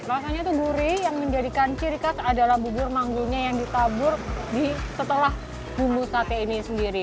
rasanya itu gurih yang menjadikan ciri khas adalah bubur manggulnya yang ditabur setelah bumbu sate ini sendiri